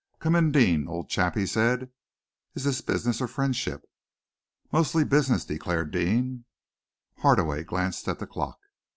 "Come in, Deane, old chap," he said. "Is this business or friendship?" "Mostly business," declared Deane. Hardaway glanced at the clock.